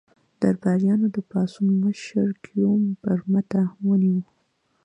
درباریانو د پاڅون مشر ګیوم برمته ونیو.